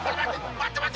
待って待って！